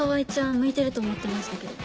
向いてると思ってましたけど。